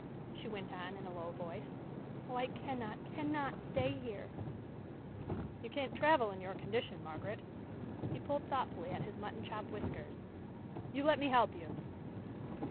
she went on, in a low voice. "Oh, I cannot, cannot stay here." "You can't travel in your condition, Margaret." He pulled thoughtfully at his mutton chop whiskers. "You let me help you."